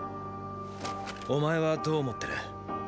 お前はどう思ってる？